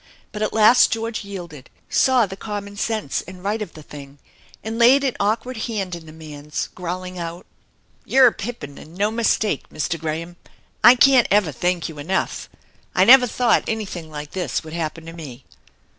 But at last George yielded, saw the common sense and right of the thing, and laid an awkward hand in the man's, growling out: " You're a pippin and no mistake, Mr. Graham. I can't ever thank you enough ! I never thought anything like this would happen to me